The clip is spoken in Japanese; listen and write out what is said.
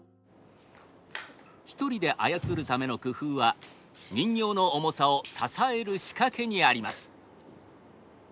一人であやつるための工夫は人形の重さを支える仕掛けにあります。